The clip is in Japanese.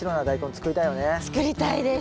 作りたいです！